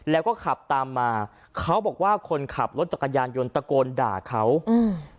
แล้วก็ขับตามมาเขาบอกว่าคนขับรถจักรยานยนต์ตะโกนด่าเขาอืม